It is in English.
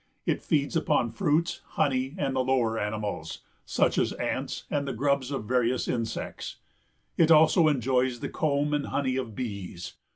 It feeds upon fruits, honey and the lower animals, such as ants and the grubs of various insects. It also enjoys the comb and honey of bees.